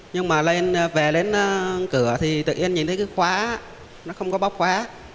nhưng mà lên về đến cửa thì tự nhiên nhìn thấy cái khóa nó không có bóc khóa